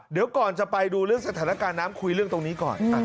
เดี๋ยวก่อนจะไปดูเรื่องสถานการณ์น้ำคุยเรื่องตรงนี้ก่อน